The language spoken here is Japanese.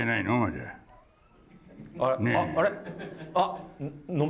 あれ？